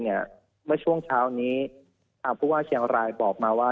เมื่อช่วงเช้านี้ทางผู้ว่าเชียงรายบอกมาว่า